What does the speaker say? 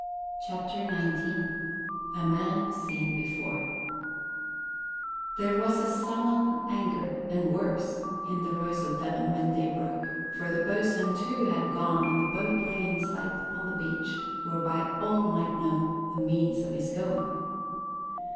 CHAPTER XIX A MAN SEEN BEFORE There was sullen anger and worse in the Rose of Devon when day broke, for the boatswain, too, had gone and the boat lay in sight upon the beach whereby all might know the means of his going.